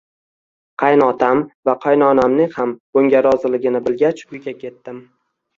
Qaynotam va qaynonamning ham bunga roziligini bilgach, uyga ketdim